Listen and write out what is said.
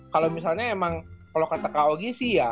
kalau misalnya emang kalau kata kog sih ya